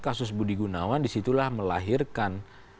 kasus budi gunawan disitulah melahirkan